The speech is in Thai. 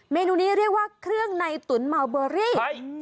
เมนูนี้เรียกว่าเครื่องในตุ๋นเมาเบอรี่